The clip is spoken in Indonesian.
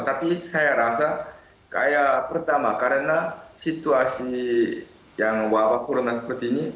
tapi saya rasa kayak pertama karena situasi yang wabah corona seperti ini